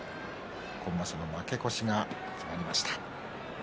今場所の負け越しが決まりました。